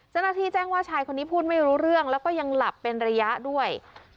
เจ้าหน้าที่แจ้งว่าชายคนนี้พูดไม่รู้เรื่องแล้วก็ยังหลับเป็นระยะด้วย